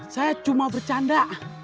saya cuma bercanda